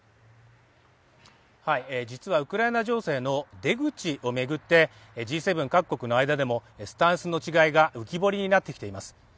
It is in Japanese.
実はウクライナ情勢の出口を巡ってＧ７各国の間でもスタンスの違いが浮き彫りになってきています。